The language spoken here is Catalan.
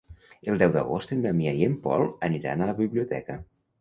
El deu d'agost en Damià i en Pol aniran a la biblioteca.